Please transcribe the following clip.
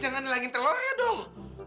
jangan hilangin telur ya dong